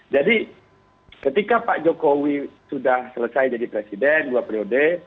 jadi ketika pak jokowi sudah selesai jadi presiden dua periode